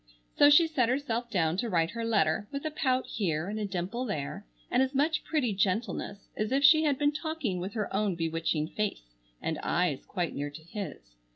So she set herself down to write her letter, with a pout here and a dimple there, and as much pretty gentleness as if she had been talking with her own bewitching face and eyes quite near to his.